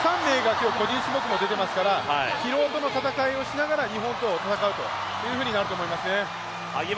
今日、個人種目に出ていますから疲労との闘いをしながら日本と戦うということになりますね。